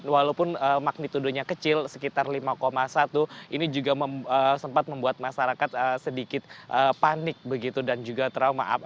walaupun magnitudenya kecil sekitar lima satu ini juga sempat membuat masyarakat sedikit panik begitu dan juga trauma